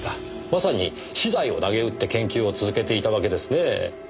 まさに私財を投げ打って研究を続けていたわけですねぇ。